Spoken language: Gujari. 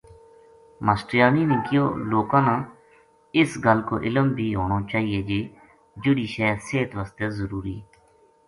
ماشٹریانی نے کہیو لوکاں نا اس گل کو علم بھی ہونو چاہیے جے جہڑی شے صحت وس ضروری